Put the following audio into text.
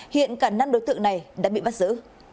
hiện cả năm đối tượng này đã bị bắt giữ